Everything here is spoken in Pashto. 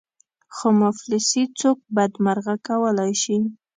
خو مفلسي څوک بدمرغه کولای شي.